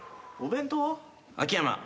お弁当は？